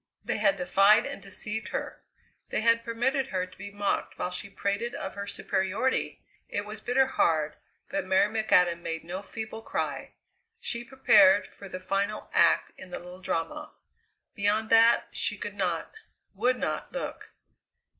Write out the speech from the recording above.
They had defied and deceived her! They had permitted her to be mocked while she prated of her superiority! It was bitter hard, but Mary McAdam made no feeble cry she prepared for the final act in the little drama. Beyond that she could not, would not look.